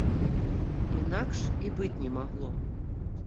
Інакш і быць не магло.